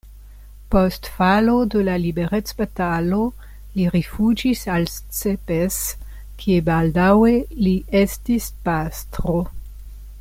Post falo de la liberecbatalo li rifuĝis al Szepes, kie baldaŭe li estis pastro.